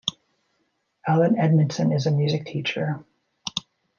Alan Edmondson is a music teacher.